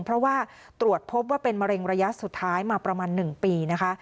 เพราะว่าตรวจพบว่าเป็นมะเร็งระยะสุดท้ายมาประมาณ๑ปีนะคะ